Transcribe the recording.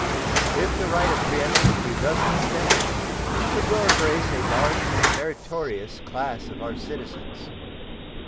If the right of preemption be thus extended, it will embrace a large and meritorious class of our citizens.